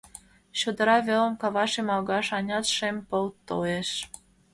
Чодыра велым кава шемалгаш анят шем пыл толеш.